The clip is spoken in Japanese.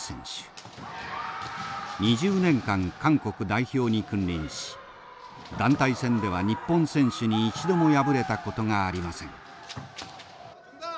２０年間韓国代表に君臨し団体戦では日本選手に一度も敗れたことがありません。